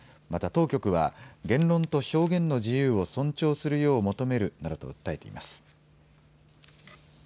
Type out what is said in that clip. また当局は言論と表現の自由を尊重するよう求めるなどと訴えています。